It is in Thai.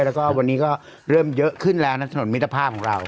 แล้วก็วันนี้ก็เริ่มเยอะขึ้นแล้วนะถนนมิตรภาพของเรา